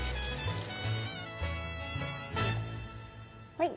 はい。